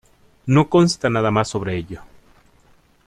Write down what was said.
No consta nada más sobre ello.